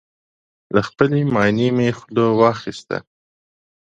له خپلې ماينې مې خوله واخيسته